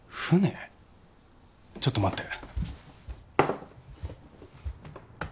ちょっと待って。